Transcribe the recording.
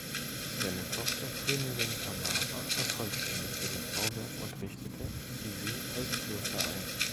Seine Tochter, Königin Tamara, vervollständigte das Bauwerk und richtete sie als Kloster ein.